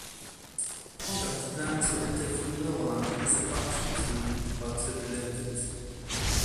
Honda had planned to enter Formula One as a factory team, but relented.